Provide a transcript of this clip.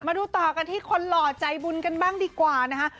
มาดูต่อกันที่คนหล่อใจบุญกันบ้างดีกว่านะคะ